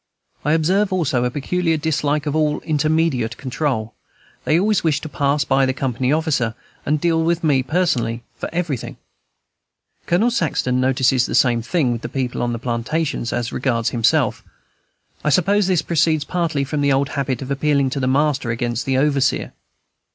I observe also a peculiar dislike of all intermediate control: they always wish to pass by the company officer, and deal with me personally for everything. General Saxton notices the same thing with the people on the plantations as regards himself. I suppose this proceeds partly from the old habit of appealing to the master against the overseer.